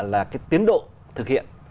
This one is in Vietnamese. đó là cái tiến độ thực hiện